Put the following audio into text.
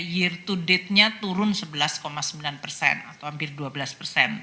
year to date nya turun sebelas sembilan persen atau hampir dua belas persen